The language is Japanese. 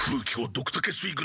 ドクタケ水軍